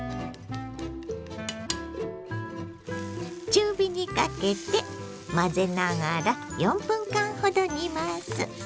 中火にかけて混ぜながら４分間ほど煮ます。